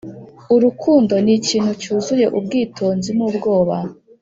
urukundo nikintu cyuzuye ubwitonzi nubwoba.